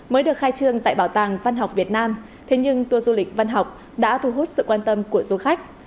mới được khai trương tại bảo tàng văn học việt nam thế nhưng tour du lịch văn học đã thu hút sự quan tâm của du khách